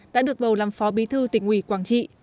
đã được bầu làm phó bí thư tỉnh ủy quảng trị